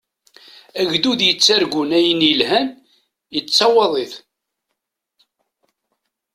Agdud yettargun ayen yelhan, yettaweḍ-it.